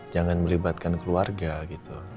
jangan melibatkan keluarga gitu